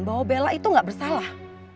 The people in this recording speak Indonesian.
bahwa bella itu gak bersalah